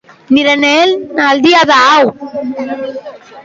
Nire lehen aldia da hau!